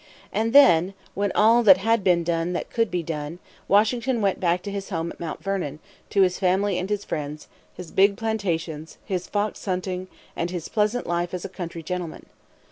And then, when all had been done that could be done, Washington went back to his home at Mount Vernon, to his family and his friends, his big plantations, his fox hunting, and his pleasant life as a country gentleman.